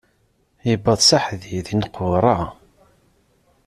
Iwweḍ s aḥdid, inneqwṛa.